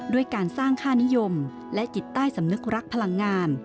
ด้วยการสร้างค่านิยมและจิตใต้สำนึกรักพลังงาน